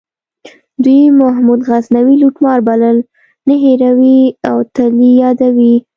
دوی محمود غزنوي لوټمار بلل نه هیروي او تل یې یادوي.